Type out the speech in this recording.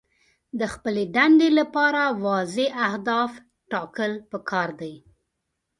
د خپلې دندې لپاره واضح اهداف ټاکل پکار دي.